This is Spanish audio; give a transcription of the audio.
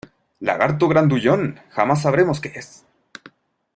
¡ Lagarto grandullón, jamás sabremos qué es!